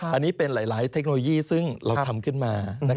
อันนี้เป็นหลายเทคโนโลยีซึ่งเราทำขึ้นมา